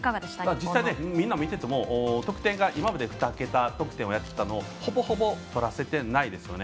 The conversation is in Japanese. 実際、見ていても得点が今まで２桁得点でやっていたのをほぼほぼ取らせてないですよね。